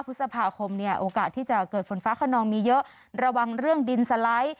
พฤษภาคมเนี่ยโอกาสที่จะเกิดฝนฟ้าขนองมีเยอะระวังเรื่องดินสไลด์